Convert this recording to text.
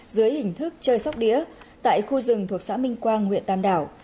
dưới hình thức chơi sóc đĩa tại khu rừng thuộc xã minh quang huyện tam đảo